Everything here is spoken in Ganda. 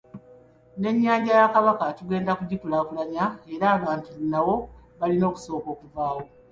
N'ennyanja ya Kabaka tugenda kugikulaakulanya era abantu nawo balina okusooka okuvaawo.